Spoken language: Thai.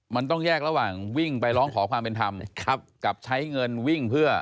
มันต้องแยกระหว่างวิ่งไปร้องขอความเป็นธรรมกับใช้เงินวิ่งเพื่อ